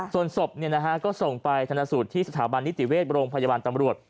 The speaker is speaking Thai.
ส่วนศพก็ส่งไปธนสูตรที่สถาบันนิติเวชโรงพยาบาลตำรวจ